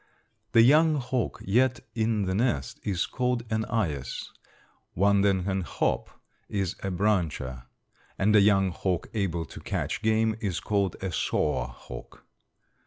The young hawk yet in the nest is called an eyas, one that can hop is a brancher, and a young hawk able to catch game is called a soar hawk.